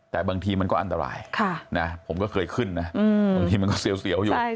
แต่บางทีมันก็อันตรายผมก็เคยขึ้นนะบางทีมันก็เสียวอยู่